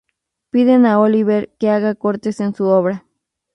Piden a Olivier que haga cortes en su obra.